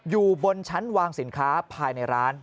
อยู่บนชั้นวางสินค้าภายในร้าน